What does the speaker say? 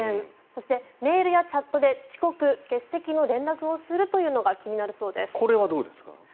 そしてメールやチャットで遅刻・欠席の連絡をするというのがこれはどうですか？